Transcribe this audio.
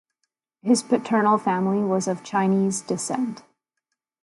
His paternal family was of Chinese descent.